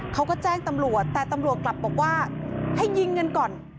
เขาก็แจ้งตำรวจแต่ตำรวจกลับบอกว่าให้ยิงกันก่อน